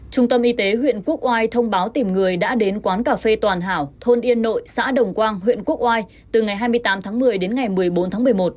trung tâm y tế huyện quốc oai thông báo tìm người đã đến quán cà phê toàn hảo thôn yên nội xã đồng quang huyện quốc oai từ ngày hai mươi tám tháng một mươi đến ngày một mươi bốn tháng một mươi một